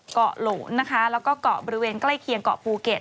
เกาะโหลนนะคะแล้วก็เกาะบริเวณใกล้เคียงเกาะภูเก็ต